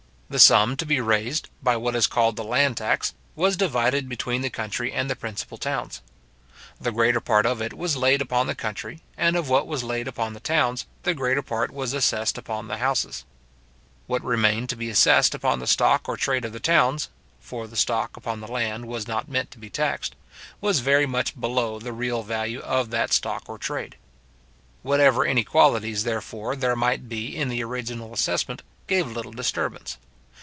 The sum to be raised, by what is called the land tax, was divided between the country and the principal towns. The greater part of it was laid upon the country; and of what was laid upon the towns, the greater part was assessed upon the houses. What remained to be assessed upon the stock or trade of the towns (for the stock upon the land was not meant to be taxed) was very much below the real value of that stock or trade. Whatever inequalities, therefore, there might be in the original assessment, gave little disturbance.